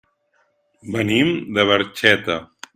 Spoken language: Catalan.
Venim de Barxeta.